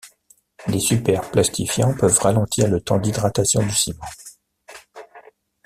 Les superplastifiants peuvent ralentir le temps d’hydratation du ciment.